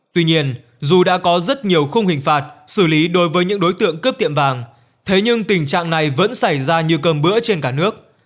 tuy nhiên dù đã có rất nhiều khung hình phạt xử lý đối với những đối tượng cướp tiệm vàng thế nhưng tình trạng này vẫn xảy ra như cơm bữa trên cả nước